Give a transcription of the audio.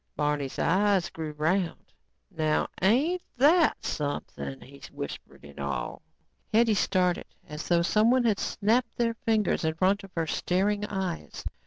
Barney's eyes grew round. "Now ain't that something," he whispered in awe. Hetty started as though someone had snapped their fingers in front of her staring eyes.